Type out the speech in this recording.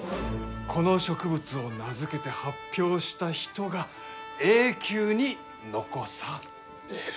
この植物を名付けて発表した人が永久に残される。